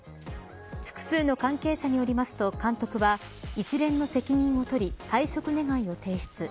複数の関係者によりますと監督は一連の責任を取り退職願を提出。